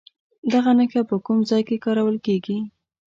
دغه نښه په کوم ځای کې کارول کیږي؟